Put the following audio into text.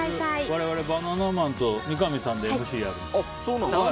我々バナナマンと三上さんでＭＣをやってるんですよね。